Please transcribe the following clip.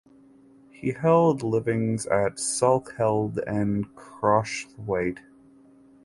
He held livings at Salkeld and Crosthwaite.